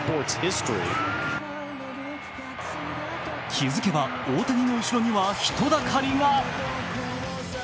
気づけば大谷の後ろには人だかりが。